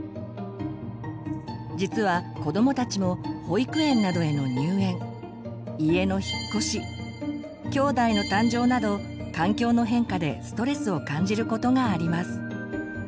実は子どもたちも保育園などへの入園家の引っ越しきょうだいの誕生など環境の変化でストレスを感じることがあります。